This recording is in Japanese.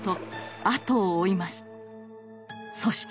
そして。